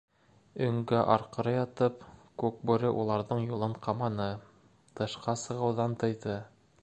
Өңгә арҡыры ятып, Күкбүре уларҙың юлын ҡаманы, тышҡа сығыуҙан тыйҙы.